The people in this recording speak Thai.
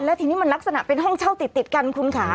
แล้วทีนี้มันลักษณะเป็นห้องเช่าติดกันคุณค่ะ